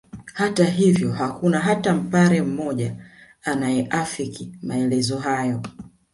Hata hivyo hakuna hata Mpare mmoja anayeafiki maelezo hayo